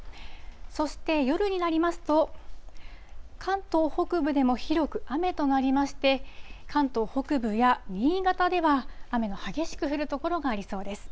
そして夜になりますと、関東北部でも広く雨となりまして、関東北部や新潟では、雨の激しく降る所がありそうです。